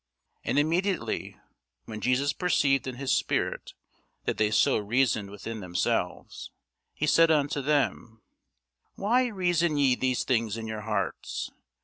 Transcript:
And immediately when Jesus perceived in his spirit that they so reasoned within themselves, he said unto them, Why reason ye these things in your hearts?